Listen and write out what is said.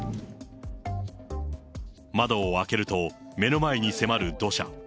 窓を開けると、目の前に迫る土砂。